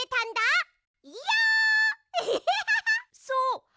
そう！